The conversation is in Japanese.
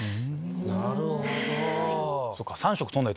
なるほど。